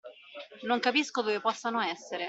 Non capisco dove possano essere.